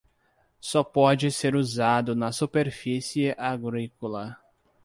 Só pode ser usado na superfície agrícola.